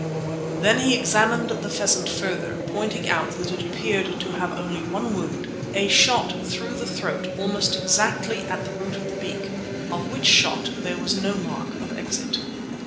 Then he examined the pheasant further, pointing out that it appeared to have only one wound—a shot through the throat almost exactly at the root of the beak, of which shot there was no mark of exit.